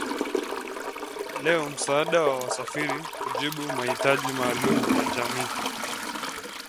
Today, Travelers Aid responds to the specific needs of the community.